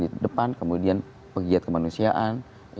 di depan kemudian pegiat kemanusiaan